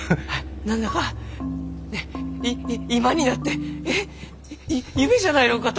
何だかいい今になってえっゆ夢じゃないのかと。